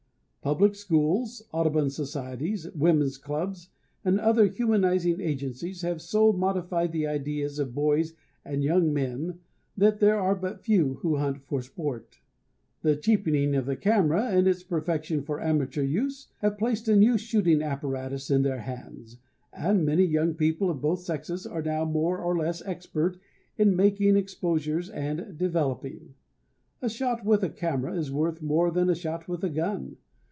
Public schools, Audubon societies, women's clubs, and other humanizing agencies have so modified the ideas of boys and young men that there are but few who hunt for sport. The cheapening of the camera and its perfection for amateur use have placed a new shooting apparatus in their hands, and many young people of both sexes are now more or less expert in making exposures and developing. A shot with a camera is worth more than a shot with a gun.